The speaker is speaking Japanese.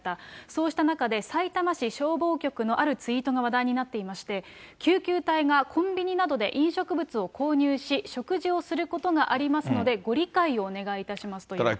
そうした中でさいたま市消防局のあるツイートが話題になっていまして、救急隊がコンビニなどで飲食物を購入し、食事をすることがありますので、ご理解をお願いいたしますという。